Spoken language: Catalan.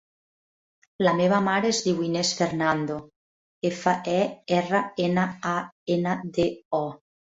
La meva mare es diu Inès Fernando: efa, e, erra, ena, a, ena, de, o.